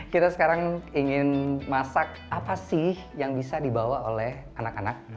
kita sekarang ingin masak apa sih yang bisa dibawa oleh anak anak